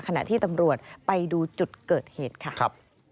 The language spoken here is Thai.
ขณะที่ตำรวจไปดูจุดเกิดเหตุค่ะ